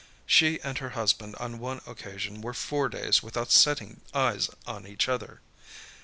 She and her husband on one occasion were four days without setting eyes on each other.